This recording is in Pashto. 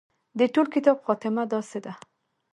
د ټول کتاب خاتمه داسې ده.